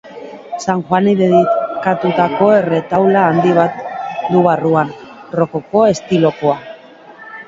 San Juani dedikatutako erretaula handi bat du barruan, rokoko estilokoa.